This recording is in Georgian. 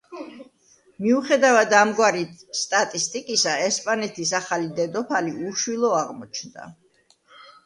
მიუხედავად ამგვარი სტატისტიკისა, ესპანეთის ახალი დედოფალი უშვილო აღმოჩნდა.